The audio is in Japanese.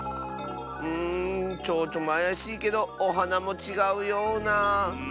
うんちょうちょもあやしいけどおはなもちがうような。